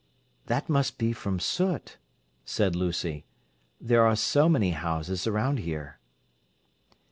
"That must be from soot," said Lucy. "There are so many houses around here."